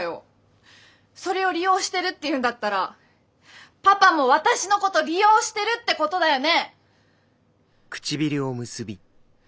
それを利用してるって言うんだったらパパも私のこと利用してるってことだよね！？